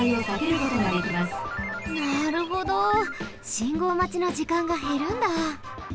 信号まちのじかんがへるんだ。